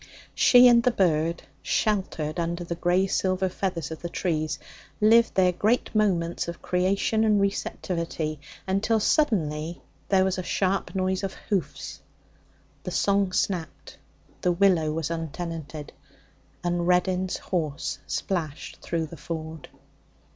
She and the bird, sheltered under the grey silver feathers of the trees, lived their great moments of creation and receptivity until suddenly there was a sharp noise of hoofs, the song snapped, the willow was untenanted, and Reddin's horse splashed through the ford.